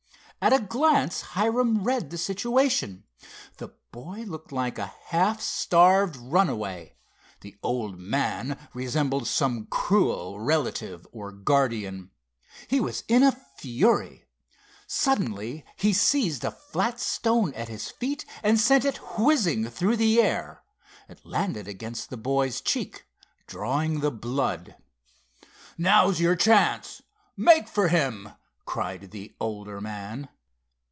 At a glance Hiram read the situation. The boy looked like a half starved runaway. The old man resembled some cruel relative, or guardian. He was in a fury. Suddenly he seized a flat stone at his feet, and sent it whizzing through the air. It landed against the boy's cheek, drawing the blood. "Now's your chance—make for him!" cried the older man.